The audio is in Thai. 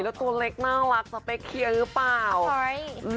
แล้วตัวเล็กน่ารักสเปคเชียร์หรือเปล่า